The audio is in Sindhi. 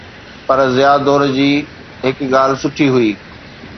پر ضياءَ دور جي هڪ ڳالهه سٺي هئي.